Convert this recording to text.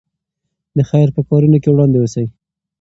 د خیر په کارونو کې وړاندې اوسئ.